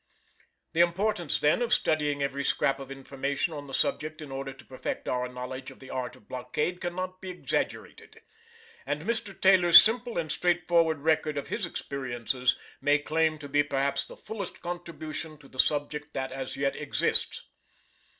The importance then of studying every scrap of information on the subject in order to perfect our knowledge of the art of blockade cannot be exaggerated, and Mr. Taylor's simple and straightforward record of his experiences may claim to be perhaps the fullest contribution to the subject that as yet exists.